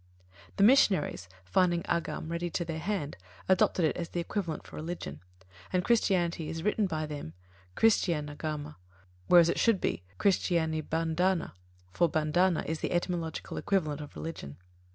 The missionaries, finding Āgama ready to their hand, adopted it as the equivalent for "religion"; and Christianity is written by them Christianāgama, whereas it should be Christianibandhana, for bandhana is the etymological equivalent for "religion".